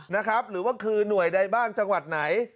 หรือว่าคือหน่วยใดบ้างจังหวัดไหน